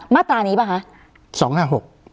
มาตรานี้เปล่าคะ